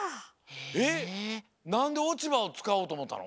えっなんでおちばをつかおうとおもったの？